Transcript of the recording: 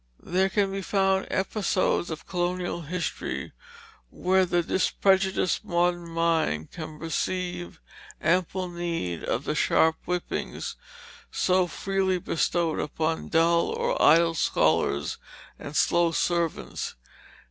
There can be found episodes of colonial history where the disprejudiced modern mind can perceive ample need of the sharp whippings so freely bestowed upon dull or idle scholars and slow servants.